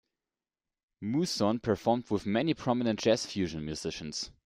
Mouzon performed with many prominent jazz-fusion musicians.